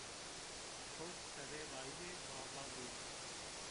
Kewt serê rayîrê Bexdadî